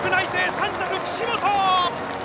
３着、岸本！